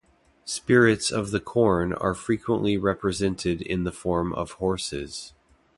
Spirits of the corn are frequently represented in the form of horses.